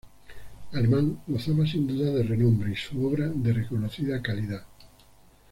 Alemán gozaba sin duda de renombre y su obra de reconocida calidad.